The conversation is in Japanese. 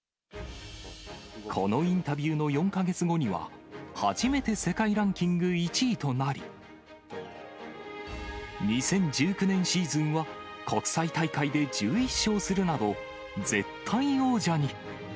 このインタビューの４か月後には、初めて世界ランキング１位となり、２０１９年シーズンは国際大会で１１勝するなど、絶対王者に。